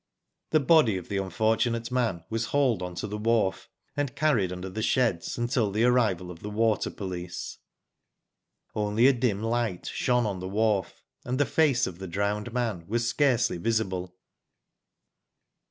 The body of the unfortunate man was hauled pn to the wharf, and carried under the sheds until the arrival of the water police. Only a dim light shone on the wharf, and the face of the drowned man was scarcely visible.